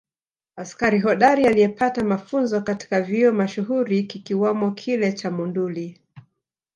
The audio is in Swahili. Askari hodari aliyepata mafunzo katika vyuo mashuhuri kikiwamo kile cha Monduli